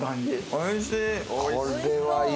おいしい。